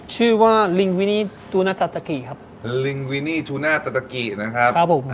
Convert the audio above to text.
ชื่อว่าลิงวินิจูนาซาตากิครับลิงวินี่จูน่าตะกินะครับครับผม